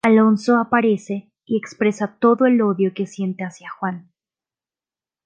Alonso aparece y expresa todo el odio que siente hacia Juan.